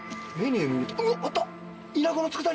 あった！